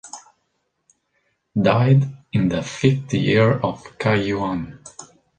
Died in the fifth year of Kaiyuan.